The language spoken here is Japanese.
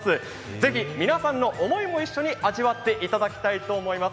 ぜひ皆さんの思いも一緒に味わっていただきたいと思います。